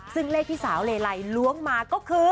ซึ่งเลขที่สาวเลไลล้วงมาก็คือ